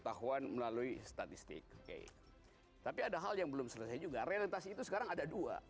kapan melalui statistik tabi tabi ada hal yang belum selesai juga realitasi itu sekarang ada dua